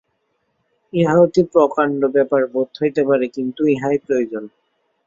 ইহা অতি প্রকাণ্ড ব্যাপার বোধ হইতে পারে, কিন্তু ইহাই প্রয়োজন।